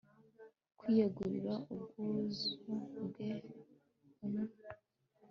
Kwiyegurira ubwuzu bwe umwe